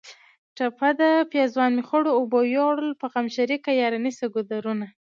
ټپه ده: پېزوان مې خړو اوبو یوړ په غم شریکه یاره نیسه ګودرونه